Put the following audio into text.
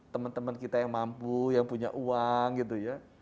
teman teman kita yang mampu yang punya uang gitu ya